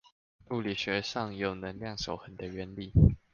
物理學上有能量守恆的原理